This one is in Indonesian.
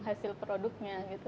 hasil produknya gitu